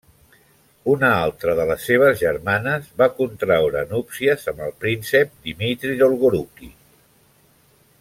Una altra de les seves germanes contraure núpcies amb el príncep Dmitri Dolgoruki.